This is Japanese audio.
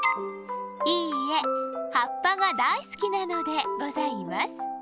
いいえはっぱがだいすきなのでございます。